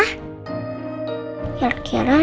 kira kira mau ke penang